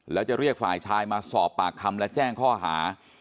แล้วจะเรียกฝ่ายชายมาสอบปากคำและแจ้งข้อหา